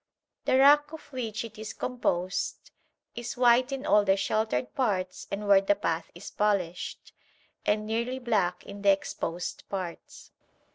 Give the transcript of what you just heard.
The rock of which it is composed is white in all the sheltered parts and where the path is polished, and nearly black in the exposed parts.